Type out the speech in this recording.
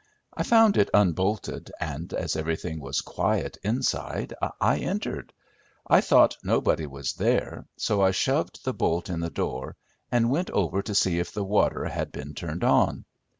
I found it unbolted, and as everything was quiet inside, I entered. I thought nobody was there, so I shoved the bolt in the door, and went over to see if the water had been turned on.